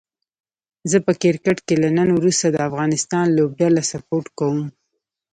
زه په کرکټ کې له نن وروسته د افغانستان لوبډله سپوټ کووم